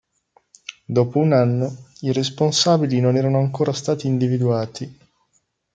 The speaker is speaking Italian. Dopo un anno, i responsabili non erano ancora stati individuati.